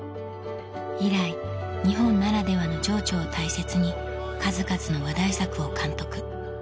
以来日本ならではの情緒を大切に数々の話題作を監督